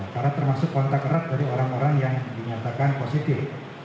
karena termasuk kontak erat dari orang orang yang dinyatakan positif